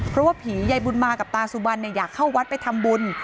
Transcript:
เพราะว่าผียายบุญมากับตาสุบันอยากเข้าวัดไปทำบุญ